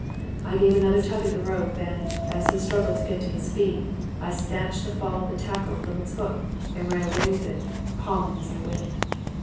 I gave another tug at the rope, and, as he struggled to get to his feet, I snatched the fall of the tackle from its hook and ran away with it, hauling as I went.